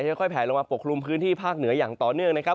ค่อยแผลลงมาปกคลุมพื้นที่ภาคเหนืออย่างต่อเนื่องนะครับ